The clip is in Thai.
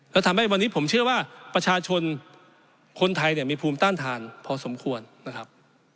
และทำให้วันนี้ผมเชื่อว่าประชาชนคนไทยเนี่ยมีภูมิต้านทานพอสมควรนะครับ